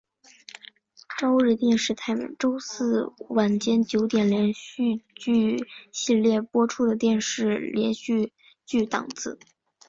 朝日电视台周四晚间九点连续剧系列播出的电视连续剧档次。